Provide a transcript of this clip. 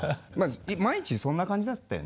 毎日そんな感じだったよね。